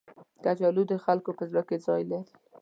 کچالو د خلکو په زړه کې ځای لري